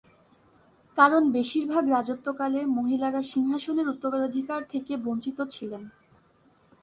কারণ বেশিরভাগ রাজত্বকালে মহিলারা সিংহাসনের উত্তরাধিকার থেকে বঞ্চিত ছিলেন।